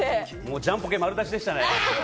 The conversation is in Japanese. ジャンポケ丸出しでしたね。